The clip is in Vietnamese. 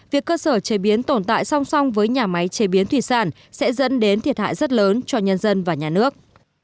việc cơ sở chế biến tồn tại song song với nhà máy chế biến thủy sản sẽ dẫn đến thiệt hại rất lớn cho nhân dân và nhà nước